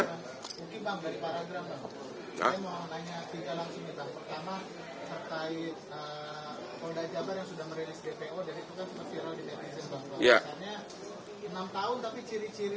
mungkin pak dari paragraf